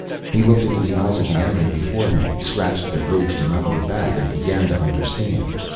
He looked into the eyes of the animal before him, scratched the ridged and ugly back, and began to understand.